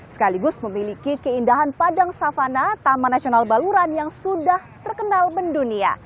sekaligus memiliki keindahan padang savana taman nasional baluran yang sudah terkenal mendunia